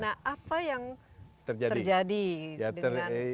nah apa yang terjadi dengan